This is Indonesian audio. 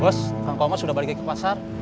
bos kang komar sudah balik lagi ke pasar